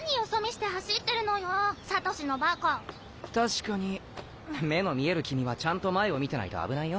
確かに目の見える君はちゃんと前を見てないと危ないよ。